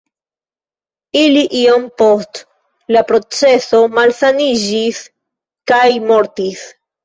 Li iom post la proceso malsaniĝis kaj mortis.